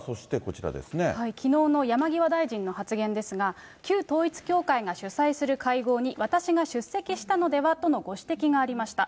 きのうの山際大臣の発言ですが、旧統一教会が主催する会合に、私が出席したのではとのご指摘がありました。